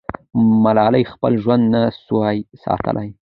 ملالۍ خپل ژوند نه سوای ساتلی.